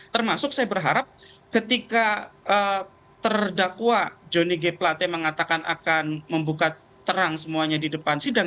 termasuk saya berharap ketika terdakwa johnny g plate mengatakan akan membuka terang semuanya di depan sidang